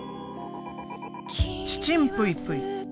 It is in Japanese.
ちちんぷいぷい！